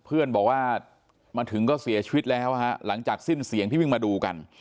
เพื่อนบอกว่ามาถึงก็เสียชีวิตแล้วฮะหลังจากสิ้นเสียงที่วิ่งมาดูกัน